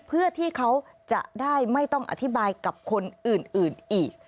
เพื่อที่เขาจะได้ไม่ต้องอธิบายกับคนอื่นอีก